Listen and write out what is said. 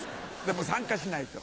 でも参加しないと。